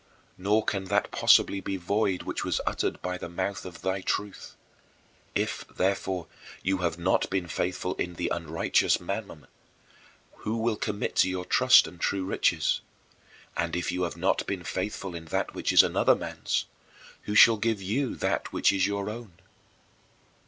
" Nor can that possibly be void which was uttered by the mouth of Thy truth: "If, therefore, you have not been faithful in the unrighteous mammon, who will commit to your trust the true riches? And if you have not been faithful in that which is another man's, who shall give you that which is your own?"